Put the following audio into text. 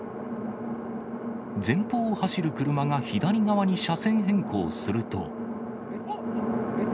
前方を走る車が左側に車線変更すお？